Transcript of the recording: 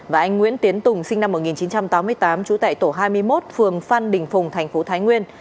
và anh nguyễn tiến tùng sinh năm một nghìn chín trăm tám mươi tám trú tại tổ hai mươi một phường phan đình phùng thành phố thái nguyên